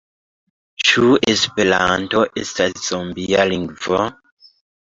Ĉu Esperanto estas zombia lingvo?